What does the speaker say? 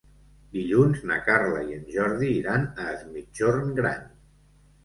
Dilluns na Carla i en Jordi iran a Es Migjorn Gran.